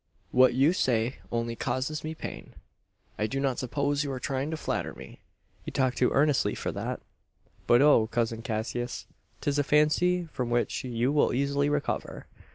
"What you say only causes me pain. I do not suppose you are trying to flatter me. You talk too earnestly for that. But oh, cousin Cassius, 'tis a fancy from which you will easily recover.